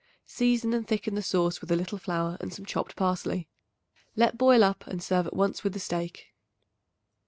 Season and thicken the sauce with a little flour and some chopped parsley. Let boil up and serve at once with the steak.